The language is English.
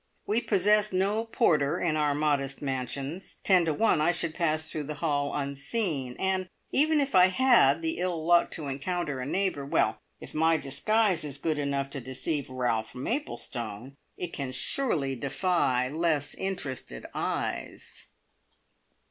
We possess no porter in our modest mansions; ten to one I should pass through the hall unseen, and even if I had the ill luck to encounter a neighbour well, if my disguise is good enough to deceive Ralph Maplestone, it can surely defy less interested eyes!